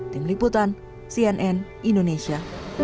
tim liputan cnn indonesia